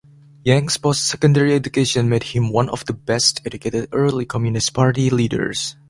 Yang's post-secondary education made him one of the best educated early Communist Party leaders.